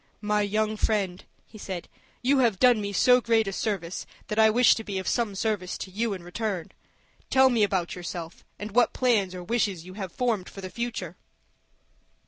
"My young friend," he said, "you have done me so great service that I wish to be of some service to you in return. Tell me about yourself, and what plans or wishes you have formed for the future."